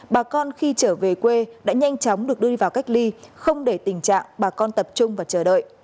bà con khi trở về quê đã nhanh chóng được đưa đi vào cách ly không để tình trạng bà con tập trung và chờ đợi